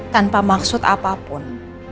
tanpa maksud apapun